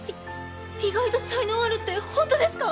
意外と才能あるって本当ですか？